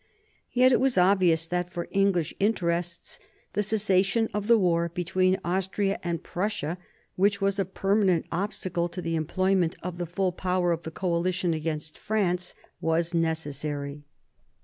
Yet it was obvious that for English interests the cessa tion of the war between Austria and Prussia, which was a permanent obstacle to the employment of the full power of the coalition against France, was necessary.